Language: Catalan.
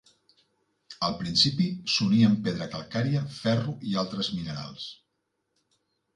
Al principi s'unia amb pedra calcària, ferro i altres minerals.